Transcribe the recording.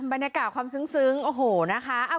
บรรยากาศความซึ้งโอ้โฮคุณผู้ชมครับ